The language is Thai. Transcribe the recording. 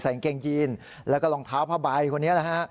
ใส่แก้งจีนแล้วก็รองเท้าผ้าใบคนนี้นะฮะ